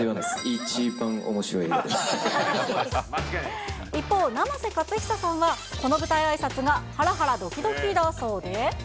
一番おも一方、生瀬勝久さんは、この舞台あいさつがはらはら、ドキドキだそうで。